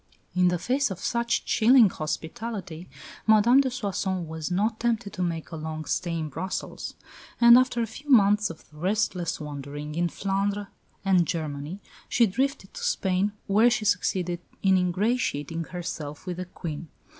In the face of such chilling hospitality Madame de Soissons was not tempted to make a long stay in Brussels; and after a few months of restless wandering in Flanders and Germany, she drifted to Spain where she succeeded in ingratiating herself with the Queen.